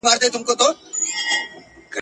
د شته من سړي د کور څنګ ته دباغ وو ..